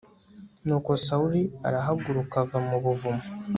nuko sawuli arahaguruka ava mu buvumo